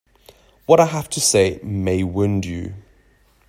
What I have to say may wound you.